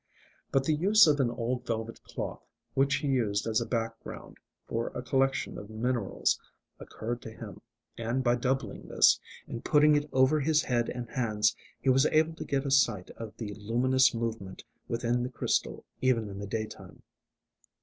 But the use of an old velvet cloth, which he used as a background for a collection of minerals, occurred to him, and by doubling this, and putting it over his head and hands, he was able to get a sight of the luminous movement within the crystal even in the daytime.